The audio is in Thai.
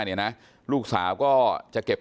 ไม่ตั้งใจครับ